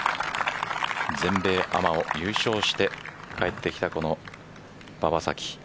全米アマを優勝して帰ってきたこの馬場咲希。